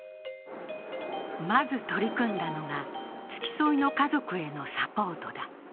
まず取り組んだのが、付き添いの家族へのサポートだ。